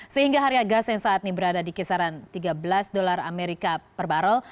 sehingga harga gas yang saat ini berada di kisaran tiga belas dolar amerika per barrel